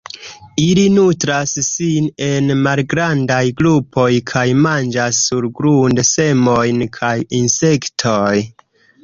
Ili nutras sin en malgrandaj grupoj, kaj manĝas surgrunde semojn kaj insektojn.